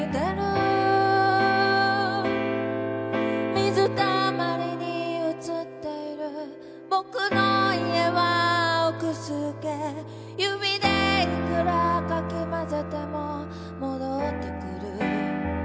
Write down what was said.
「水溜まりに映っているボクの家は青く透け」「指でいくらかき混ぜてももどってくる」